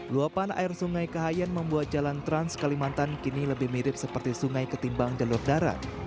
luapan air sungai kahayan membuat jalan trans kalimantan kini lebih mirip seperti sungai ketimbang jalur darat